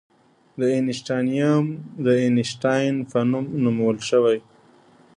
د اینشټاینیم د اینشټاین په نوم نومول شوی.